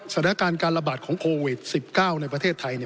สถานการณ์การระบาดของโควิด๑๙ในประเทศไทย